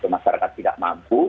masyarakat tidak mampu